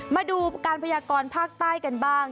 มาดูการพยากรภาคใต้กันบ้าง